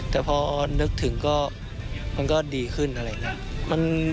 แต่พอนึกถึงก็ดีขึ้น